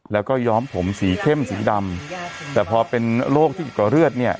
แล้วก็ย้อมผมสีเข้มสีดำแต่พอเป็นโรคที่เกี่ยวกับเลือดเนี่ย